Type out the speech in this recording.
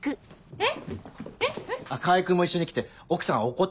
えっ？